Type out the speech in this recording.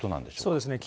そうですね。